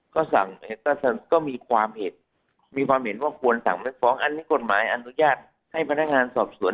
ก็สั่งก็มีความเห็นมีความเห็นว่าควรสั่งไม่ฟ้องอันนี้กฎหมายอนุญาตให้พนักงานสอบสวน